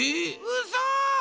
うそ！